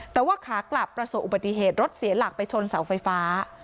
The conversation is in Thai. แต่ว่าขากลับประสบอุบัติเหตุรถเสียหลักไปชนเสาไฟฟ้า